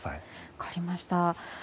分かりました。